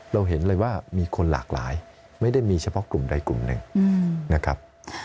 เราเห็นเลยว่ามีคนหลากหลายไม่ได้มีเฉพาะกลุ่มใดกลุ่มหนึ่งนะครับ